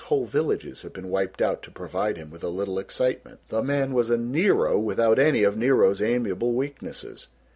Whole villages have been wiped out to provide him with a little excitement. The man was a Nero without any of Nero's amiable weaknesses.